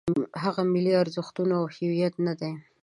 هغه ملي ارزښتونه او هویت نه دی.